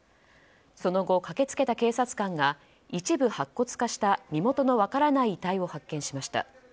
その後、駆けつけた警察官が一部白骨化した身元の分からない遺体を発見しました。